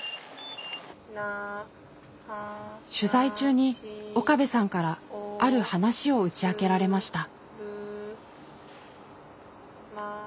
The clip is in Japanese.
取材中に岡部さんからある話を打ち明けられました。